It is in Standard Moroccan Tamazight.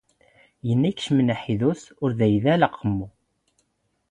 ⵓⵏⵏⴰ ⵉⴽⵛⵎⵏ ⴰⵃⵉⴷⵓⵙ ⵓⵔ ⴷⴰ ⵉⴷⴷⴰⵍ ⴰⵇⵎⵓ